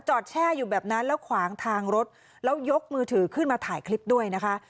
แช่อยู่แบบนั้นแล้วขวางทางรถแล้วยกมือถือขึ้นมาถ่ายคลิปด้วยนะคะ